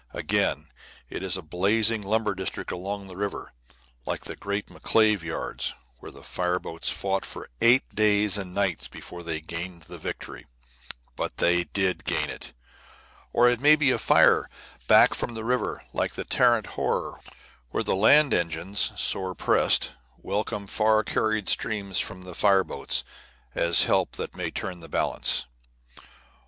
Again it is a blazing lumber district along the river, like the great McClave yards, where the fire boats fought for eight days and nights before they gained the victory. But they did gain it. Or it may be a fire back from the river, like the Tarrant horror, where the land engines, sore pressed, welcome far carried streams from the fire boats as help that may turn the balance.